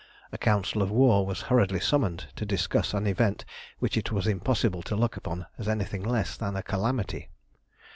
A council of war was hurriedly summoned to discuss an event which it was impossible to look upon as anything less than a calamity.